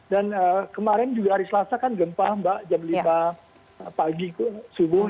dan kemarin juga hari selasa kan gempa mbak jam lima pagi subuh